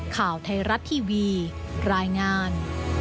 ข่าวไทยรัฐทีวีรายงาน